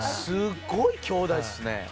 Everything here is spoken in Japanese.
すごいきょうだいっすね。